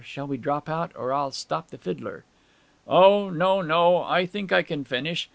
Shall we drop out? Or I'll stop the fiddler.' 'O no, no, I think I can finish.